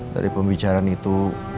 dari pembicaraan itu